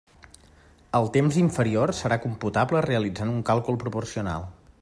El temps inferior serà computable realitzant un càlcul proporcional.